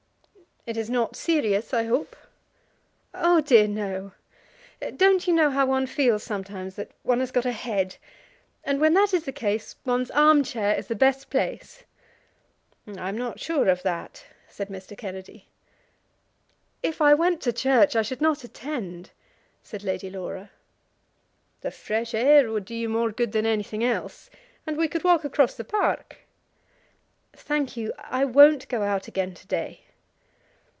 "It is not serious, I hope." "Oh dear no. Don't you know how one feels sometimes that one has got a head? And when that is the case one's armchair is the best place." "I am not sure of that," said Mr. Kennedy. "If I went to church I should not attend," said Lady Laura. "The fresh air would do you more good than anything else, and we could walk across the park." "Thank you; I won't go out again to day."